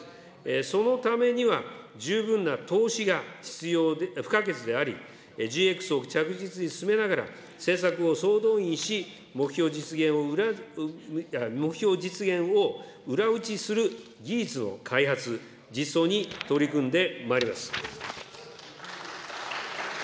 そのためには、十分な投資が必要不可欠であり、ＧＸを着実に進めながら、政策を総動員し、目標実現を裏打ちする技術を開発、実装に取り組んでまいります。